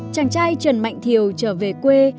chàng trai trần mạnh thiều trở về quê